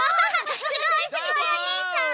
すごいすごいおねえさん！